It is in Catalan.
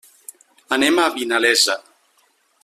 Anem a Vinalesa.